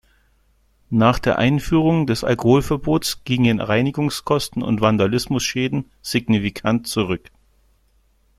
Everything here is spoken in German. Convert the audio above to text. Nach der Einführung des Alkoholverbots gingen Reinigungskosten und Vandalismusschäden signifikant zurück.